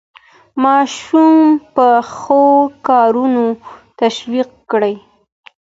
ماشوم په ښو کارونو تشویق کړئ.